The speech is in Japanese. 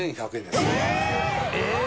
えっ！